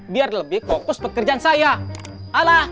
biar lebih kokos pekerjaan saya